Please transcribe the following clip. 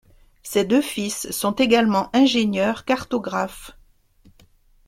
Ses deux fils sont également ingénieurs cartographes.